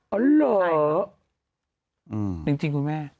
อ๋อเหรอใช่เหรออืมจริงคุณแม่